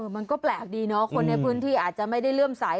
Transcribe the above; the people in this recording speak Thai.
มันก็แปลกดีเนาะคนในพื้นที่อาจจะไม่ได้เลื่อมใส